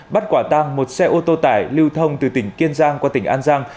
bắt quả tang một xe ô tô tải lưu thông từ tỉnh kiên giang qua tỉnh an giang